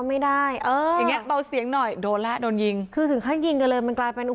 เมื่อนบ้างก็ยืนยันว่ามันเป็นแบบนั้นจริง